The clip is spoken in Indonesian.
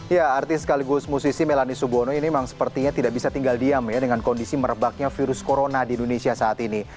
ya artis sekaligus musisi melani subono ini memang sepertinya tidak bisa tinggal diam ya dengan kondisi merebaknya virus corona di indonesia saat ini